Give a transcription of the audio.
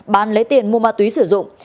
bán lấy tiền mua ma túy sử dụng